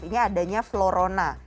ini adanya florona